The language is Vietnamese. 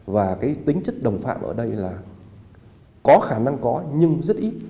và cái tính chất đồng phạm ở đây là có khả năng có nhưng rất ít